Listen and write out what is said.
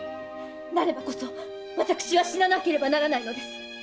なればこそ私は死ななければならないのです。